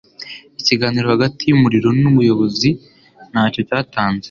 Ikiganiro hagati yumurimo nubuyobozi ntacyo cyatanze.